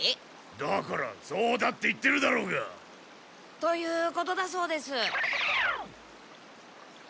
だからそうだって言ってるだろうが！ということだそうです。